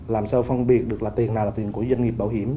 làm sao phân biệt được là tiền nào là tiền của doanh nghiệp bảo hiểm